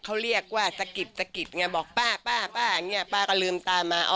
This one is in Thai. เขาเรียกว่าสะกิดสะกิดไงบอกป้าป้าอย่างนี้ป้าก็ลืมตามา